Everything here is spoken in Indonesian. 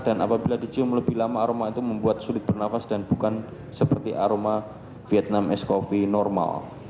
dan apabila dicium lebih lama aroma itu membuat sulit bernafas dan bukan seperti aroma vietnam escoffee normal